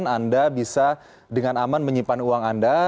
anda bisa dengan aman menyimpan uang anda